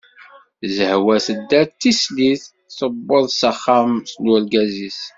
Zehwa tedda d tislit, tewweḍ s axxam n urgaz-is.